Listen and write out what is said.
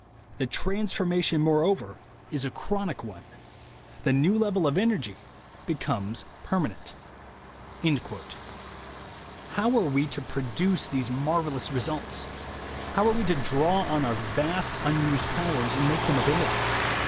... "The transformation, moreover, is a chronic one : the new level of energy becomes permanent." How are we to produce these marvellous results? How are we to draw on our vast unused powers and make them available?